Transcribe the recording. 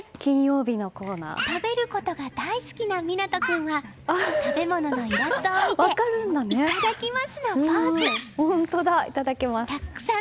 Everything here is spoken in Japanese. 食べることが大好きな湊斗君は食べ物のイラストを見ていただきますのポーズ。